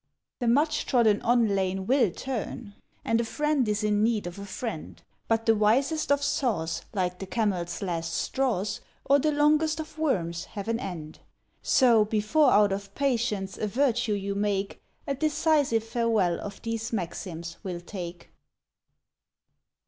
The much trodden on Lane will Turn, And a Friend is in Need of a Friend; But the Wisest of Saws, Like the Camel's Last Straws, Or the Longest of Worms, have an end. So, before out of Patience a Virtue you make, A decisive farewell of these maxims we'll take.